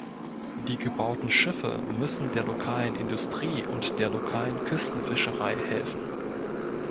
Die gebauten Schiffe müssen der lokalen Industrie und der lokalen Küstenfischerei helfen.